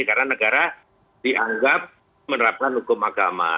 karena negara dianggap menerapkan hukum agama